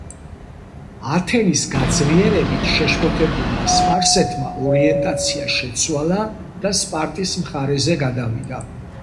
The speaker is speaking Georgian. ათენის გაძლიერებით შეშფოთებულმა სპარსეთმა ორიენტაცია შეცვალა და სპარტის მხარეზე გადავიდა.